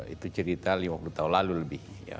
itu cerita lima puluh tahun lalu lebih